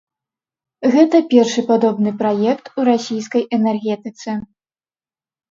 Гэта першы падобны праект у расійскай энергетыцы.